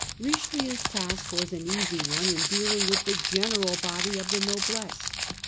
Richelieu's task was an easy one in dealing with the general body of the noblesse.